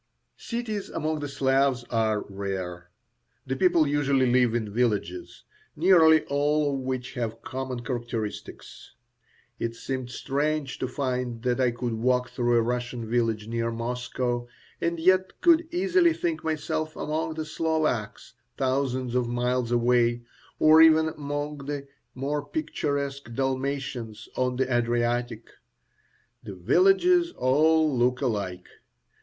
Cities among the Slavs are rare; the people usually live in villages, nearly all of which have common characteristics. It seemed strange to find that I could walk through a Russian village near Moscow, and yet could easily think myself among the Slovaks, thousands of miles away, or even among the more picturesque Dalmatians on the Adriatic. The villages all look alike.